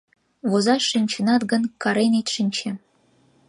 Возаш шинчынат гын, карен ит шинче!